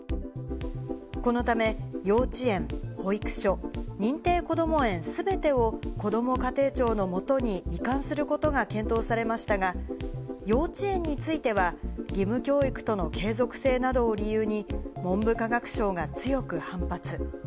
このため、幼稚園、保育所、認定こども園すべてを、こども家庭庁のもとに移管することが検討されましたが、幼稚園については、義務教育との継続性などを理由に、文部科学省が強く反発。